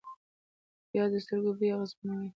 پیاز د سترګو بوی اغېزمنوي